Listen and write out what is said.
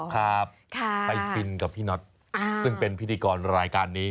ครับไปฟินกับพี่น็อตซึ่งเป็นพิธีกรรายการนี้